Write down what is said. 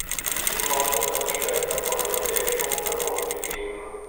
Più volte è stata scelta come location per molti film.